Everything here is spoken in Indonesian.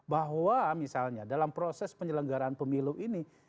bahwa misalnya dalam proses penyelenggaraan pemilu ini